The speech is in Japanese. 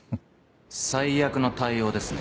最悪の対応ですね。